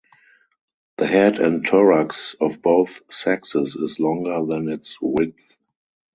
The head and thorax of both sexes is longer than its width.